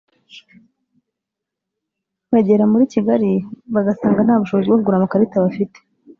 bagera muri Kigali bagasanga nta bushobozi bwo kugura amakarita bafite